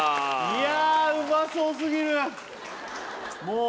いやうまそうすぎるもう